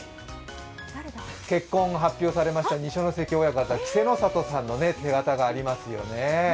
結婚を発表されました二所ノ関親方稀勢の里さんの手形がありますよね。